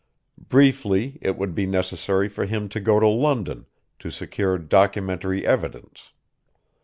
Briefly it would be necessary for him to go to London, to secure documentary evidence.